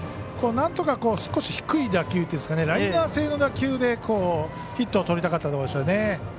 なんとか少し低い打球というかライナー性の打球でヒットをとりたかったでしょうね。